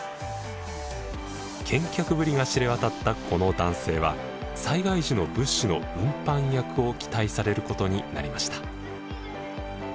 健脚ぶりが知れ渡ったこの男性は災害時の物資の運搬役を期待されることになりました。